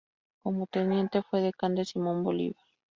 Como teniente fue edecán de Simón Bolívar.